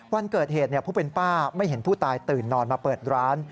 วันเกิดเหตุผู้เป็นป้าไม่เห็นผู้ตายตื่นนอนมาเปิดร้าน